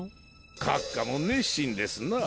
閣下も熱心ですな。